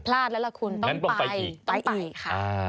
พลาดแล้วล่ะคุณต้องไปอีก